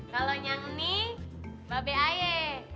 kalau nyang ni babe aye